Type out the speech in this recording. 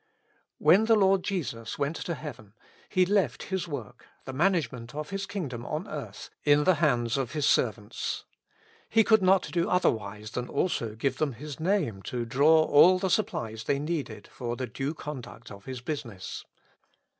When the Lord Jesus went to heaven. He left His work, the manage ment of His kingdom on earth, in the hands of His servants. He could not do otherwise than also give them His name to draw all the supplies they needed for the due conduct of His business.